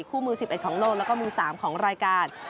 คู่มือ๑๑ของโลกแล้วก็มือ๓ของรายการ